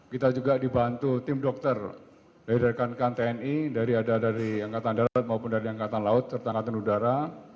kita juga dibantu tim dokter dari rekan rekan tni dari ada dari angkatan darat maupun dari angkatan laut serta angkatan udara